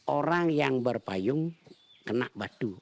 orang yang berpayung kena batu